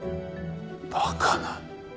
バカな。